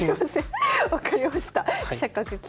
分かりました。